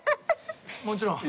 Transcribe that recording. もちろん。